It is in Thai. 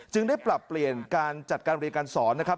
ได้ปรับเปลี่ยนการจัดการเรียนการสอนนะครับ